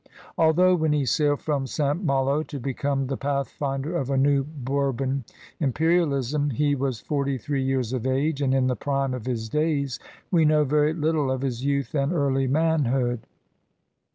Although, when he sailed from St. Malo to become the pathfinder of a new Bourbon imperialism, he was forty three years of age and in the prime of his days, we know very little of his youth and early manhood.